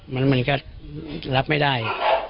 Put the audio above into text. มันก็รับไม่ได้